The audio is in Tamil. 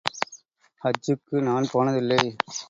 ஹஜ் ஜுக்கு நான் போனதில்லை.